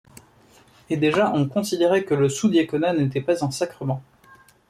Et déjà on considérait que le sous-diaconat n'était pas un sacrement.